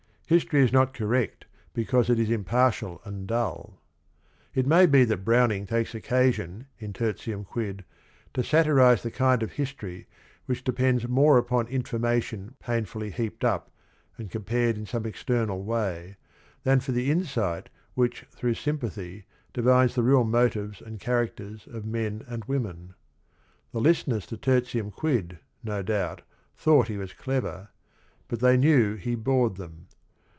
History is not correct because it is impartial and dull. It may be that Brownin g takes occasion in Tertium Quid to satirize the kind of history whic h depends more upon in formation painful ly heap pfl ^p fl"^ ^repii orf. in some external way than for the insight wh ich thro ugh sympathy divines the real motives and charact er s of m e n and womon. The l isteners , to Tertium_ Quid, no doub t, thought he was clever, but they knew he bored them.